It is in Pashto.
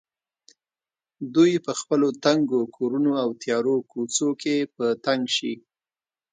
دوی په خپلو تنګو کورونو او تیارو کوڅو کې په تنګ شي.